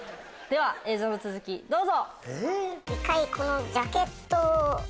映像の続きどうぞ。